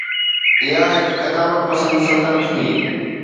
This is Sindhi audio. اها هڪ قدامت پسند سلطنت هئي.